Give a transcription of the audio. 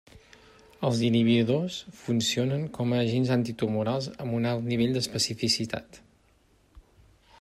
Els inhibidors funcionen com a agents antitumorals amb un alt nivell d'especificitat.